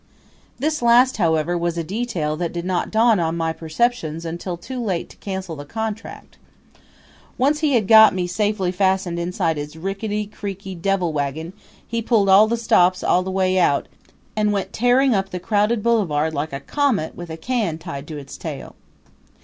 This last, however, was a detail that did not dawn on my perceptions until too late to cancel the contract. Once he had got me safely fastened inside his rickety, creaky devil wagon he pulled all the stops all the way out and went tearing up the crowded boulevard like a comet with a can tied to its tail.